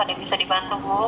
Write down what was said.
ada bisa dibantu bu